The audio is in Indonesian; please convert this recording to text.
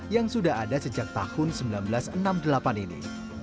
yang sudah ada sejak tahun seribu sembilan ratus enam puluh delapan ini